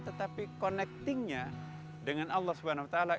tetapi connectingnya dengan allah